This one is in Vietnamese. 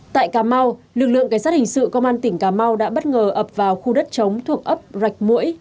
tại cà mau lực lượng cảnh sát hình sự công an tỉnh cà mau đã bất ngờ ập vào khu đất chống thuộc ấp rạch mũi